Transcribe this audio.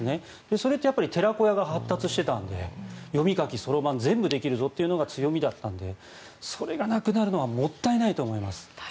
それってやっぱり寺子屋が発達していたので読み書き、そろばん全部できるぞというのが強みだったのでそれがなくなるのはもったいないと思います。